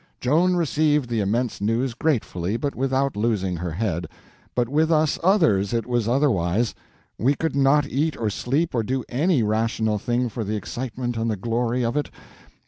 Joan received the immense news gratefully but without losing her head, but with us others it was otherwise; we could not eat or sleep or do any rational thing for the excitement and the glory of it.